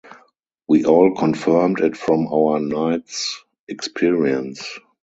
We all confirmed it from our night's experience.